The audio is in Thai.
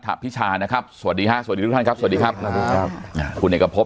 ถพิชานะครับสวัสดีครับสวัสดีทุกท่านครับสวัสดีครับคุณเอกภพ